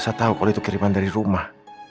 saya tahu kalau itu kiriman dari rumah